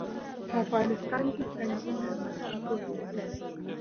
په افغانستان کې سنگ مرمر شتون لري.